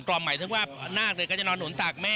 กล่อมใหม่ถึงว่านาคเนี่ยก็จะนอนหนุนตากแม่